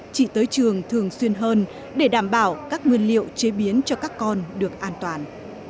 chị tới trường thường xuyên hơn để đảm bảo các nguyên liệu chế biến cho các con được an toàn